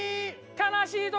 悲しい時。